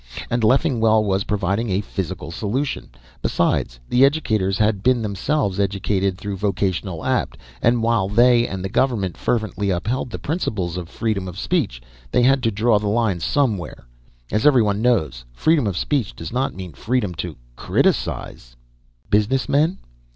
And Leffingwell was providing a physical solution. Besides, the educators had been themselves educated, through Vocational Apt. And while they, and the government, fervently upheld the principle of freedom of speech, they had to draw the line somewhere. As everyone knows, freedom of speech does not mean freedom to criticize. _Business men?